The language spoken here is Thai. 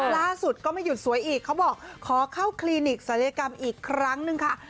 ล่าสุดก็ไม่หยุดสวยอีกเขาบอกขอเข้าคลินิกศัลยกรรมอีกครั้งหนึ่งค่ะ